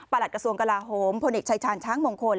หลักกระทรวงกลาโหมพลเอกชายชาญช้างมงคล